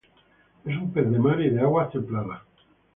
Es un pez de mar y de aguas templadas.